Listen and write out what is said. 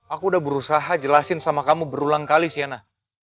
aku udah berusaha jelasin sama kamu berulang kali sihana